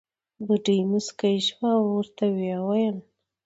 بوډۍ موسکۍ شوه او ورته وې وېل.